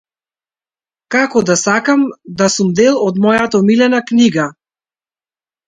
Како да сакам да сум дел од мојата омилена книга.